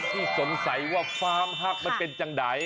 ที่สงสัยว่าฟาร์มฮักมันเป็นจังไหน